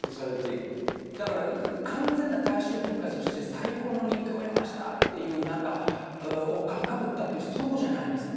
だから完全な大衆文化として最高の人気を得ましたっていう何か王冠かぶったっていうそうじゃないんですよ。